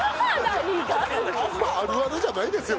あるあるじゃないですよ